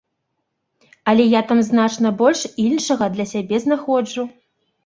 Але я там значна больш іншага для сябе знаходжу.